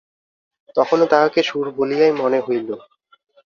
তখনো তাহাকে সুর বলিয়াই মনে হইল।